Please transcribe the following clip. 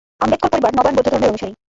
আম্বেদকর পরিবার নবায়ন বৌদ্ধ ধর্মের অনুসারী।